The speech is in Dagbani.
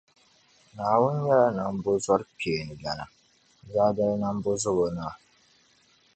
Naawuni nyɛla Nambɔzɔrikpeeni lana, Zaadali Nambɔzobonaa.